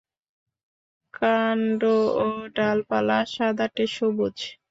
কাণ্ড ও ডালপালা সাদাটে সবুজ।